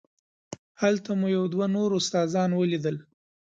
هلته مو یو دوه نور استادان ولیدل.